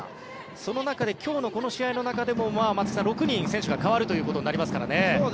その中で今日のこの試合の中でも６人選手が代わるということになりますからね。